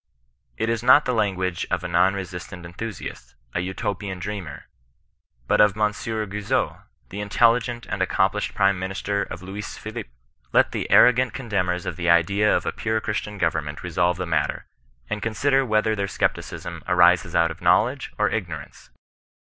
It is not the language of a non resistant enthusiast — a Utopian dreamer, — but of Monsieur Gui zot, the intelligent and accomplished prime minister of Louis Phillipe. Let the arrogant contemners of the idea of a pure Christian government revolve the matter, and consider whether their scepticism arises out of knowledge or ignorance?